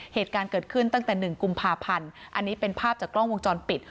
เหตุการณ์เกิดขึ้นตั้งแต่หนึ่งกุมภาพันธ์อันนี้เป็นภาพจากกล้องวงจรปิด